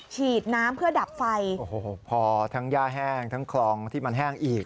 ฉีดน้ำเพื่อดับไฟโอ้โหพอทั้งย่าแห้งทั้งคลองที่มันแห้งอีก